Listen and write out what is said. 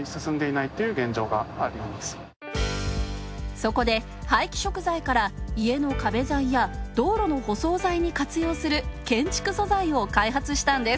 そこで、廃棄食材から家の壁材や道路の舗装材に活用する建築素材を開発したんです。